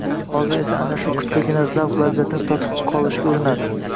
hozir esa ana shu qisqagina zavq lazzatini totib qolishga urinadi